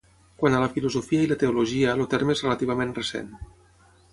Quant a la filosofia i la teologia el terme és relativament recent.